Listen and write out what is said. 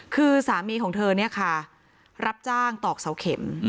คือสามีของเธอเนี่ยค่ะรับจ้างตอกเสาเข็ม